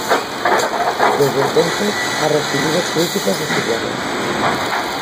Desde entonces ha recibido críticas desiguales.